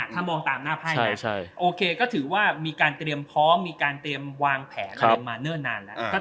ถ้ามองตามหน้าไพ่นะโอเคก็ถือว่ามีการเตรียมพร้อมมีการเตรียมวางแผนอะไรมาเนิ่นนานแล้ว